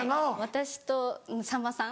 私とさんまさん